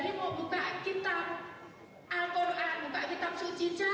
oh jodhia jari mau buka kitab al quran buka kitab suci jangan